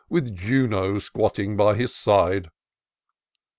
With Juno squatting by his side."